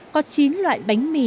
có chín loại bánh mì